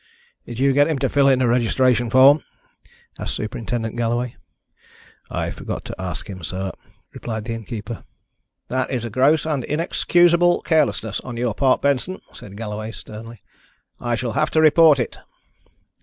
"Did you get him to fill in a registration form?" asked Superintendent Galloway. "I forgot to ask him, sir," replied the innkeeper. "That is gross and inexcusable carelessness on your part, Benson," said Galloway sternly. "I shall have to report it."